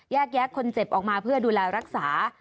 แยะคนเจ็บออกมาเพื่อดูแลรักษา